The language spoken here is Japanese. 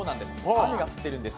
雨が降っているんです。